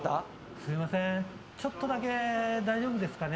すみません、ちょっとだけ大丈夫ですかね。